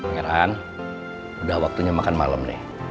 pangeran udah waktunya makan malem nih